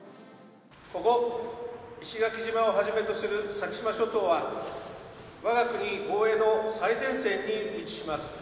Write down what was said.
ここ石垣島をはじめとする先島諸島は、わが国防衛の最前線に位置します。